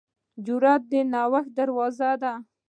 جرأت د نوښت دروازه ده.